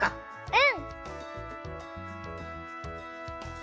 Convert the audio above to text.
うん！